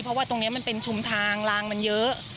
เพราะว่าตรงนี้มันเป็นชุมทางลางมันเยอะ